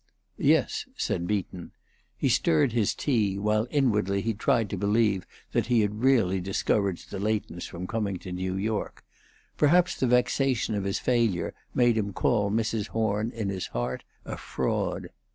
"Yes," said Beaton. He stirred his tea, while inwardly he tried to believe that he had really discouraged the Leightons from coming to New York. Perhaps the vexation of his failure made him call Mrs. Horn in his heart a fraud.